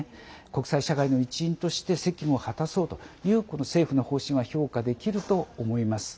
国際社会の一員として責務を果たそうというこの政府の方針は評価できると思います。